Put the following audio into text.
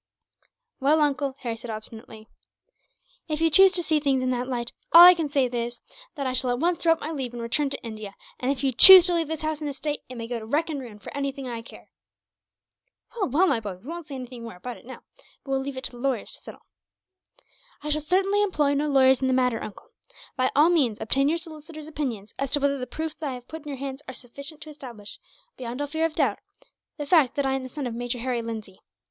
"Well, uncle," Harry said obstinately, "if you choose to see things in that light, all I can say is, that I shall at once throw up my leave and return to India; and if you choose to leave this house and estate, it may go to wreck and ruin for anything I care." "Well, well, my boy, we won't say anything more about it, now, but will leave it to the lawyers to settle." "I shall certainly employ no lawyers in the matter, uncle. By all means, obtain your solicitor's opinion as to whether the proofs I have put in your hands are sufficient to establish, beyond all fear of doubt, the fact that I am the son of Major Harry Lindsay.